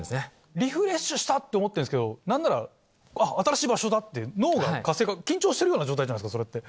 リフレッシュしたって思ってるんですけど何なら新しい場所だって脳が活性化緊張してるような状態じゃないですかそれって。